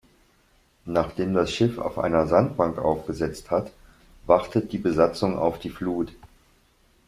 Nachdem das Schiff auf einer Sandbank aufgesetzt hat, wartet die Besatzung auf die Flut.